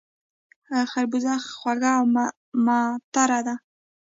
خربوزه خوږه او معطره وي